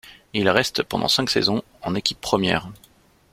Il reste pendant cinq saisons en équipe première.